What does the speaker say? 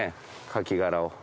カキ殻を。